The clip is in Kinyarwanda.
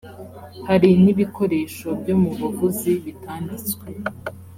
hari n’ibikoresho byo mu buvuzi bitanditswe